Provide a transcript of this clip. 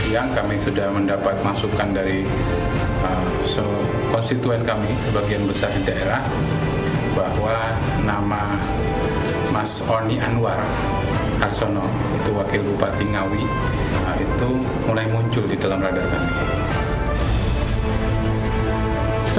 yang kami sudah mendapat masukan dari konstituen kami sebagian besar daerah bahwa nama mas oni anwar harsono itu wakil bupati ngawi itu mulai muncul di dalam radar kami